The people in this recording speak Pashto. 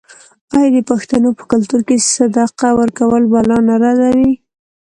آیا د پښتنو په کلتور کې صدقه ورکول بلا نه ردوي؟